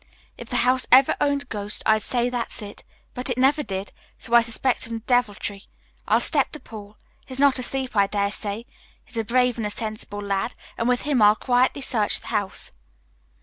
"If the house ever owned a ghost I'd say that's it, but it never did, so I suspect some deviltry. I'll step to Paul. He's not asleep, I dare say. He's a brave and a sensible lad, and with him I'll quietly search the house."